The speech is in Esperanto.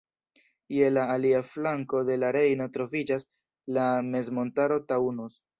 Je la alia flanko de la Rejno troviĝas la mezmontaro Taunus.